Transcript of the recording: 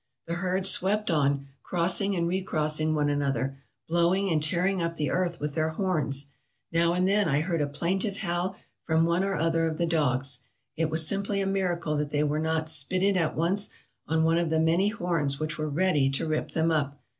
The herds swept on, crossing and recrossing one another, blowing and tearing up the earth with their horns. Now and then I heard a plaintive howl from one or other of the dogs; it was simply a miracle that they were not spitted at once on one of the many horns which were ready to rip them up.